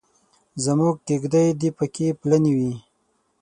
زموږ کېږدۍ دې پکې پلنې وي.